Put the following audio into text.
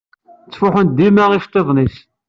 Ttfuḥen-d dima iceṭṭiḍen-is.